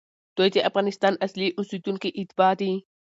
دوی د افغانستان اصلي اوسېدونکي، اتباع دي،